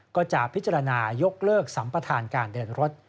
ก็จะพิจารณายกเลิกสัมประธานการเดินรถ